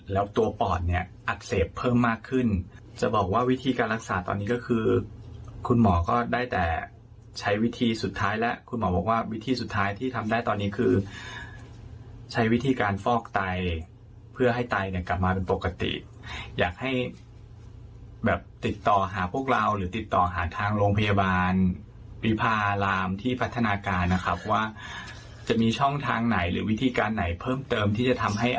แล้วตัวปอดเนี่ยอักเสบเพิ่มมากขึ้นจะบอกว่าวิธีการรักษาตอนนี้ก็คือคุณหมอก็ได้แต่ใช้วิธีสุดท้ายแล้วคุณหมอบอกว่าวิธีสุดท้ายที่ทำได้ตอนนี้คือใช้วิธีการฟอกไตเพื่อให้ไตเนี่ยกลับมาเป็นปกติอยากให้แบบติดต่อหาพวกเราหรือติดต่อหาทางโรงพยาบาลวิพารามที่พัฒนาการนะครับว่าจะมีช่องทางไหนหรือวิธีการไหนเพิ่มเติมที่จะทำให้